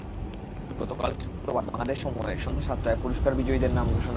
গতকাল শুক্রবার বাংলাদেশ সময় সন্ধ্যা সাতটায় পুরস্কার বিজয়ীদের নাম ঘোষণা করা হয়।